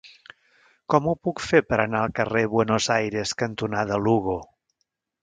Com ho puc fer per anar al carrer Buenos Aires cantonada Lugo?